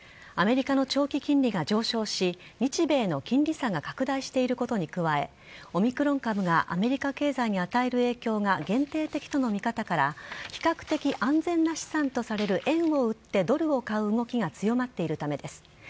アメリカの長期金利が上昇し、日米の金利差が拡大していることに加え、オミクロン株がアメリカ経済に与える影響が限定的との見方から、比較的安全な資産とされる円を売ってドルを買う動きが強まっているためです。